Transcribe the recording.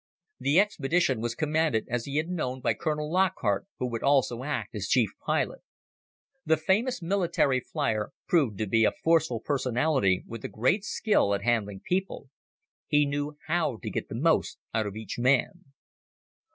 The expedition was commanded, as he had known, by Colonel Lockhart who would also act as chief pilot. The famous military flier proved to be a forceful personality with a great skill at handling people. He knew how to get the most out of each man.